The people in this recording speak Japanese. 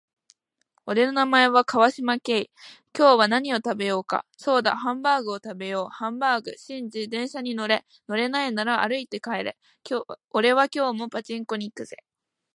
俺の名前は川島寛。今日は何を食べようか。そうだハンバーグを食べよう。ハンバーグ。シンジ、電車に乗れ。乗らないなら歩いて帰れ。俺は今日もパチンコに行くぜ。